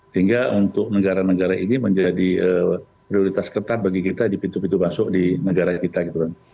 sehingga untuk negara negara ini menjadi prioritas ketat bagi kita di pintu pintu masuk di negara kita gitu kan